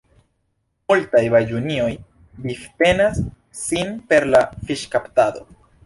Multaj baĝunioj vivtenas sin per la fiŝkaptado.